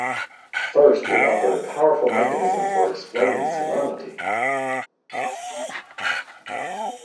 First, it offered a powerful mechanism for explaining synonymity.